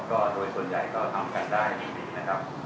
โดยส่วนใหญ่ก็ทำกันได้ดี